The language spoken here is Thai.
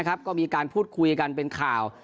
ก็มีการพูดคุยกันเป็นข่าว